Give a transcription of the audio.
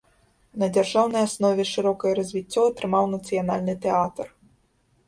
На дзяржаўнай аснове шырокае развіццё атрымаў нацыянальны тэатр.